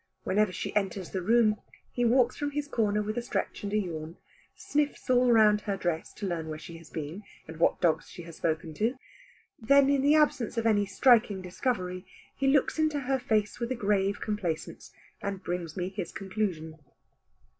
Whenever she enters the room, he walks from his corner with a stretch and a yawn, sniffs all round her dress, to learn where she has been, and what dogs she has spoken to; then, in the absence of any striking discovery, he looks into her face with a grave complacence, and brings me his conclusion.